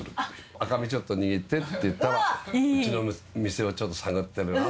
「赤身ちょっと握って」って言ったら「うちの店を探ってるな」。